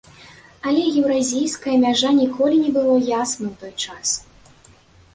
Але еўразійская мяжа ніколі не было ясна, у той час.